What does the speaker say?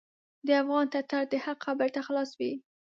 د افغان ټټر د حق خبرې ته خلاص وي.